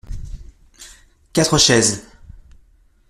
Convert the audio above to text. Quatre chaises.